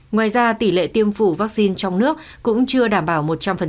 ngoài ra tỷ lệ tiêm chủng vaccine trong nước cũng chưa đảm bảo một trăm linh